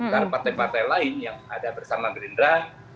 karena partai partai lain yang ada bersama gerindra